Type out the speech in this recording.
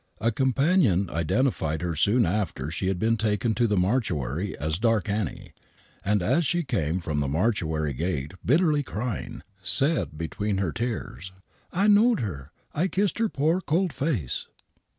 A companion identified her soon after she had been taken to the mortuary as " Dark Annie," and as she came from the mortuary gate, bitterly crying, said between her tears: " I knowed her ; I kissed her poor, cold face."